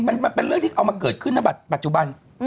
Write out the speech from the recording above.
มันเป็นเรื่องที่เอามาเกิดขึ้นนะบัตรปัจจุบัน